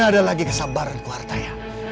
mana ada lagi kesabaranku artaya